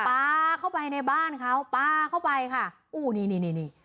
ปลาเข้าไปในบ้านเขาปลาเข้าไปค่ะอู้นี่นี่นี่นี่